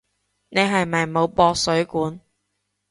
你係咪冇駁水管？